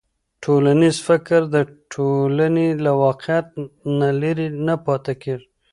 ټولنیز فکر د ټولنې له واقعیت نه لرې نه پاتې کېږي.